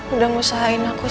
udah ngerusahain aku